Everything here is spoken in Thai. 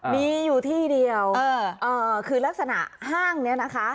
มีอยู่ที่เดียวคือลักษณะห้างนี้นะคะ